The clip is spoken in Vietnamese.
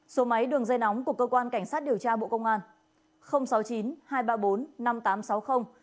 số máy đường dây nóng của cơ quan cảnh sát điều tra bộ công an sáu mươi chín hai trăm ba mươi bốn năm nghìn tám trăm sáu mươi